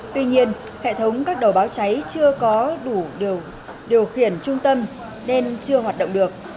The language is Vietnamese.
tuy nhiên hệ thống các đầu báo cháy chưa có đủ điều khiển trung tâm nên chưa hoạt động được